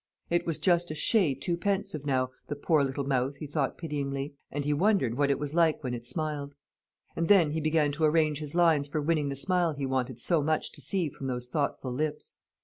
It was just a shade too pensive now, the poor little mouth, he thought pityingly; and he wondered what it was like when it smiled. And then he began to arrange his lines for winning the smile he wanted so much to see from those thoughtful lips.